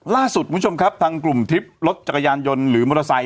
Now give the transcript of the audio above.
คุณผู้ชมครับทางกลุ่มทริปรถจักรยานยนต์หรือมอเตอร์ไซค